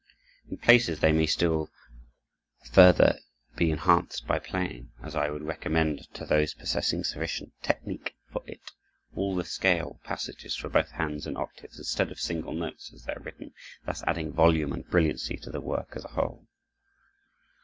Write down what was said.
In places they may be still further enhanced by playing, as I would recommend to those possessing sufficient technic for it, all the scale passages for both hands in octaves, instead of single notes, as they are written, thus adding volume and brilliancy to the work as a whole.